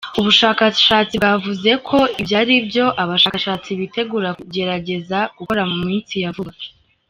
Ubushakashatsi bwavuze ko ibyo ari byo abashakashatsi bitegura kugerageza gukora mu minsi ya vuba.